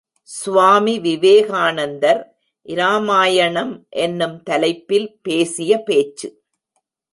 சுவாமி விவேகானந்தர், இராமாயணம் என்னும் தலைப்பில் பேசிய பேச்சு.